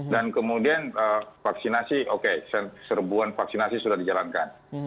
dan kemudian vaksinasi oke serbuan vaksinasi sudah dijalankan